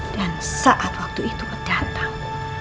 dan saat waktu itu berdatang